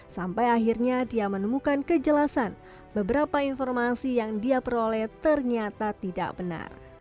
sampai akhirnya dia menemukan kejelasan beberapa informasi yang dia peroleh ternyata tidak benar